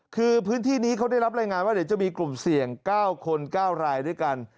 คือพื้นที่นี้เขาได้รับรายงานว่าเดี๋ยวจะมีกลุ่มเสี่ยง๙คน๙รายด้วยกัน